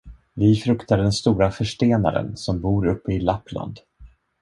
Vi fruktar den stora förstenaren, som bor uppe i Lappland.